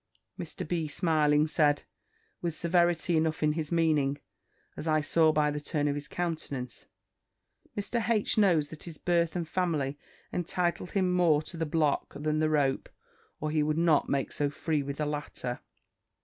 Mr. B., smiling, said, with severity enough in his meaning, as I saw by the turn of his countenance, "Mr. H. knows that his birth and family entitle him more to the block, than the rope, or he would not make so free with the latter."